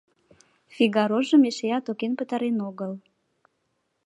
«Фигарожым» эшеат окен пытарен огыл